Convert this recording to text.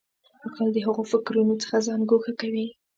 عقل د هغو فکرونو څخه ځان ګوښه کوي.